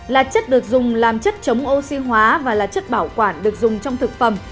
là chất được dùng làm chất chống oxy hóa và là chất bảo quản được dùng trong thực phẩm